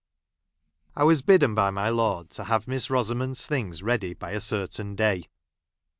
I was bidden by my lord to have Miss Rosamond's things i eady by a certain day.